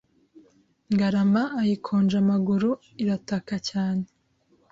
Ngarama ayikonja amaguru irataka cyane